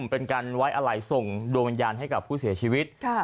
เป็นการไว้อะไรส่งดวงวิญญาณให้กับผู้เสียชีวิต